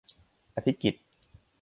อธิกิตติ์